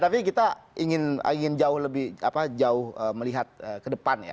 tapi kita ingin jauh lebih jauh melihat ke depan ya